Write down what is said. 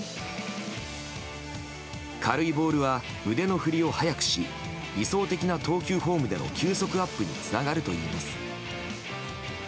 軽いボールは腕の振りを速くし理想的なフォームでの球速アップにつながるといいます。